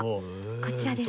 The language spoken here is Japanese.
こちらです。